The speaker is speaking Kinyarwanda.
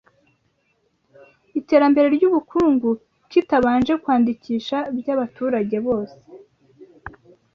iterambere ry’ubukungu kitabanje kwandikisha by’abaturage bose